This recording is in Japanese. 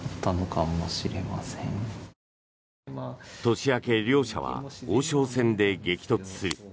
年明け、両者は王将戦で激突する。